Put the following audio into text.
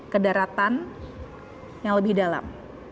kedaratan yang lebih dalam